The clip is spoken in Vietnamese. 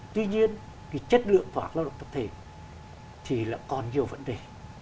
tuy nhiên cái chất lượng tòa cộng đoàn tập thể thì là còn nhiều vấn đề